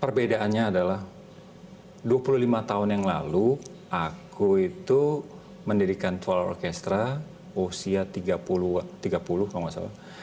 perbedaannya adalah dua puluh lima tahun yang lalu aku itu mendirikan tual orkestra usia tiga puluh kalau nggak salah